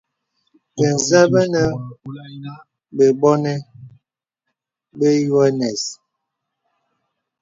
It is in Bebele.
Bə̀ zə bə nə bə̀bònè bə yoanɛ̀s.